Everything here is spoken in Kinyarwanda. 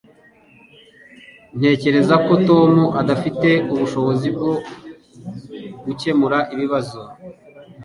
Ntekereza ko Tom adafite ubushobozi bwo gukemura ikibazo